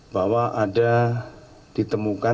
bahwa ada ditemukan